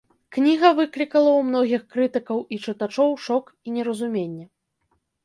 Кніга выклікала ў многіх крытыкаў і чытачоў шок і неразуменне.